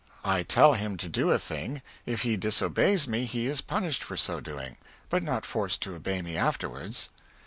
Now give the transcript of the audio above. I tell him to do a thing if he disobeys me he is punished for so doing, but not forced to obey me afterwards.